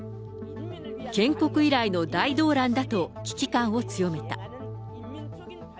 建国以来の大動乱だと、危機感を強めた。